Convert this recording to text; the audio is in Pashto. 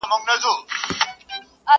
اوس د رقیبانو پېغورونو ته به څه وایو،